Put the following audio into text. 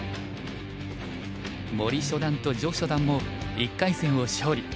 森初段と徐初段も１回戦を勝利。